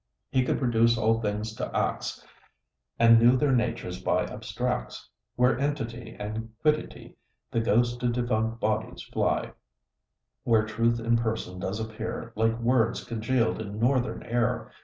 He could reduce all things to acts, And knew their natures by abstracts; Where entity and quiddity, The ghost of defunct bodies, fly; Where Truth in person does appear, Like words congealed in northern air.